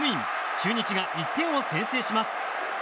中日が１点を先制します。